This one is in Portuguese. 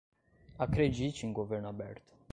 Acredite em governo aberto